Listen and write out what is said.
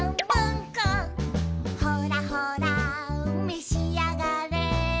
「ほらほらめしあがれ」